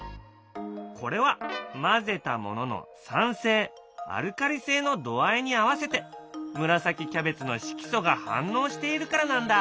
これは混ぜたものの酸性アルカリ性の度合いに合わせて紫キャベツの色素が反応しているからなんだ。